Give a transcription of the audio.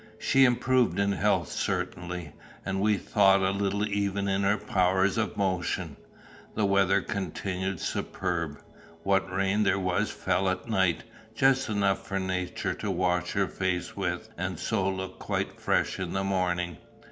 She improved in health certainly, and we thought a little even in her powers of motion. The weather continued superb. What rain there was fell at night, just enough for Nature to wash her face with and so look quite fresh in the morning.